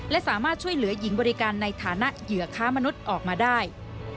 และสามารถช่วยเหลือหญิงบริการในฐานะเหยื่อค้ามนุษย์ออกมาได้